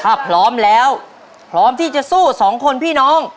ถ้าพร้อมแล้วพร้อมที่จะสู้สองคนพี่น้อง